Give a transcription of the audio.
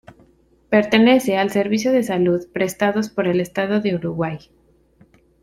Pertenece al Servicio de Salud prestados por el Estado de Uruguay.